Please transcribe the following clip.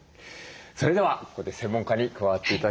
それではここで専門家に加わって頂きます。